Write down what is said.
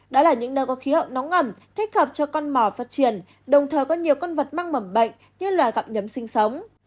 đó là những nơi có khí hậu nóng ẩm thích hợp cho con mò phát triển đồng thời có nhiều con vật mang mầm bệnh như loài gặm nhấm sinh sống